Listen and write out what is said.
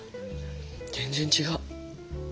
全然違う。